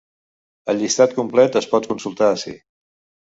El llistat complet es pot consultar ací.